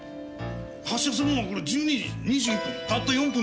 発車するのこれ１２時２１分たった４分ですよ。